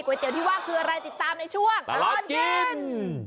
ก๋วยเตี๋ยวที่ว่าคืออะไรติดตามในช่วงประโลกิน